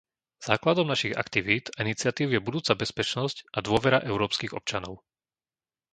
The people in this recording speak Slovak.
Základom našich aktivít a iniciatív je budúca bezpečnosť a dôvera európskych občanov.